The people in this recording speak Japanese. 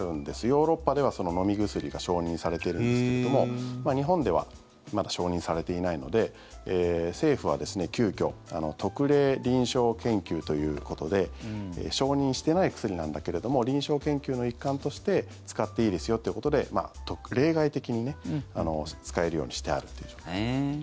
ヨーロッパでは飲み薬が承認されてるんですけども日本ではまだ承認されていないので政府は急きょ特例臨床研究ということで承認してない薬なんだけれども臨床研究の一環として使っていいですよということで例外的に使えるようにしてあるという状況。